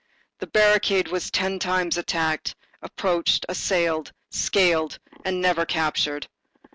The barricade was ten times attacked, approached, assailed, scaled, and never captured.